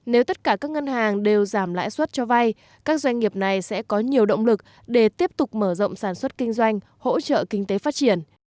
nếu tất cả các ngân hàng đều giảm lãi suất cho vay các doanh nghiệp này sẽ có nhiều động lực để tiếp tục mở rộng sản xuất kinh doanh hỗ trợ kinh tế phát triển